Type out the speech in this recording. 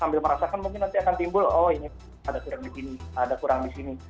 sambil merasakan mungkin nanti akan timbul oh ini ada kurang di sini ada kurang di sini